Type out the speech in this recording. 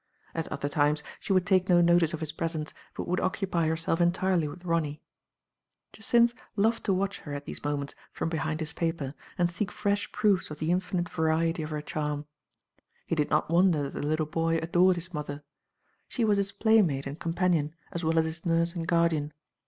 At other times she would take no notice of his pres ence, but would occupy herself entirely with Ronny. Jacynth loved to watch her at these moments from behind his paper, and seek fresh proofs of the infinite variety of her charm. He did not wonder that the little boy adored his mother. She was his playmate and companion, as well as his nurse and guardian.